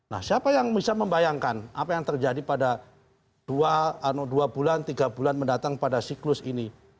nah siapa yang bisa membayangkan apa yang terjadi pada dua bulan tiga bulan mendatang pada siklus ini